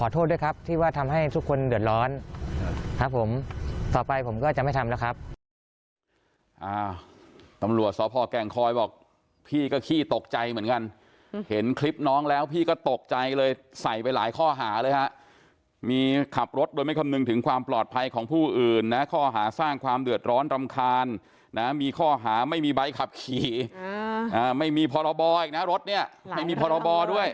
ทำให้ทุกคนเดือดร้อนต่อไปผมก็จะไม่ทำแล้วครับ